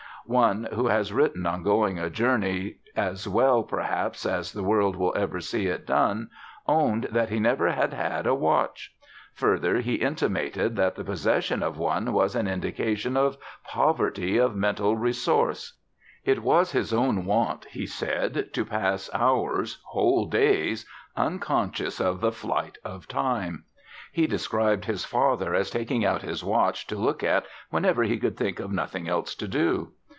One who has written on going a journey as well perhaps as the world will ever see it done owned that he never had had a watch. Further, he intimated that the possession of one was an indication of poverty of mental resource. It was his own wont, he said, to pass hours, whole days, unconscious of the night of time. He described his father as taking out his watch to look at whenever he could think of nothing else to do.